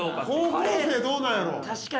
高校生どうなんやろう？